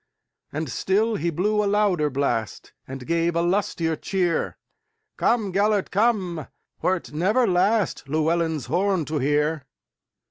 And still he blew a louder blast, And gave a lustier cheer:"Come, Gêlert, come, wert never lastLlewelyn's horn to hear.